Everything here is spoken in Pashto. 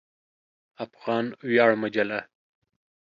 افغان ویاړ مجله